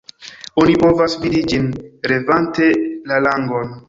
Oni povas vidi ĝin levante la langon.